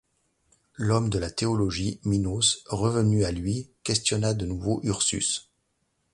L’homme de la théologie, Minos, revenu à lui, questionna de nouveau Ursus.